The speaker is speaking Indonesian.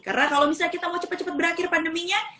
karena kalau misalnya kita mau cepat cepat berakhir pandeminya